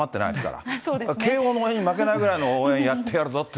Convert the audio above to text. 慶応の応援に負けないぐらいの応援やってやるぞって。